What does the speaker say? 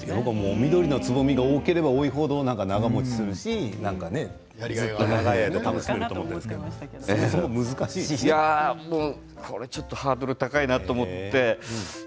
緑のつぼみが多ければ長もちするし長い間、楽しめると思っていましたけどハードルが高いなと思って。